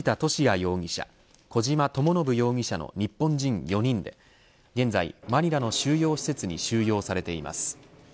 容疑者小島智信容疑者の日本人４人で現在、マニラの収容施設に収容されています。